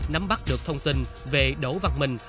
nắm bắt được thông tin về đỗ văn minh